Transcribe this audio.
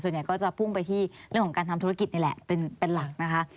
เนี่ยก็จะพุ่งไปที่เรื่องของการทำธุรกิจนี่แหละเป็นหลักนะคะ